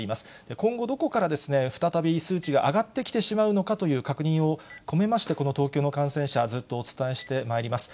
今後、どこから再び数値が上がってきてしまうのかという確認を込めまして、この東京の感染者、ずっとお伝えしてまいります。